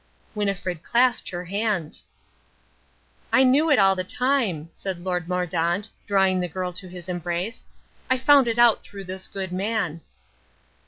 Winnifred clasped her hands. "I knew it all the time," said Lord Mordaunt, drawing the girl to his embrace, "I found it out through this good man."